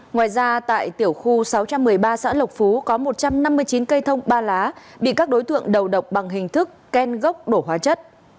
ngoài ra tại tiểu khu sáu trăm một mươi ba xã lộc phú có một trăm năm mươi chín cây thông ba lá bị các đối tượng đầu độc bằng hình thức ken gốc đổ hóa chất